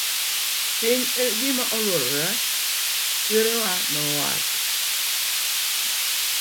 piny en gima olworore kaka kwerewa nowacho